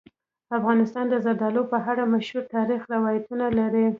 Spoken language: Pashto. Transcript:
افغانستان د زردالو په اړه مشهور تاریخی روایتونه لري.